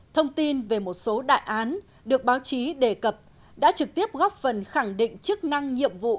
thông tin về một số đại án được báo chí đề cập đã trực tiếp góp phần khẳng định chức năng nhiệm vụ